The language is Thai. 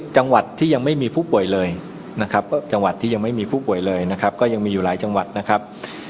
จังหวัดที่ยังไม่มีผู้ป่วยเลยนะครับก็ยังมีอยู่หลายจังหวัดนะครับ